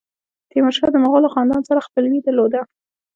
تیمورشاه د مغولو خاندان سره خپلوي درلوده.